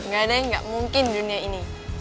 gak deh gak mungkin dunia ini